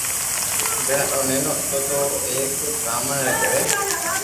جني او نينو ھتو تو او ايڪ برھامڻ ري گھري